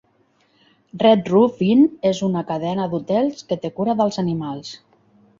Red Roof Inn és una cadena d"hotels que te cura dels animals.